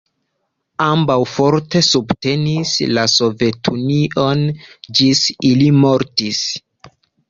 Ambaŭ forte subtenis la Sovetunion, ĝis ili mortis.